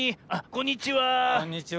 こんにちは。